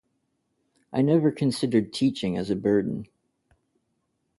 I never considered teaching as a burden.